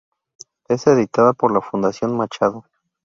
Es editada por la Fundación Machado.